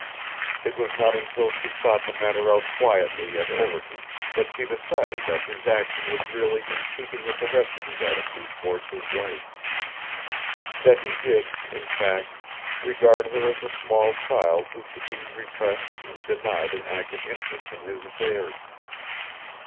It was not until she thought the matter out quietly at Overton that she decided that his action was really in keeping with the rest of his attitude towards his wife; that he did, in fact, regard her as a small child who should be repressed and denied an active interest in his affairs.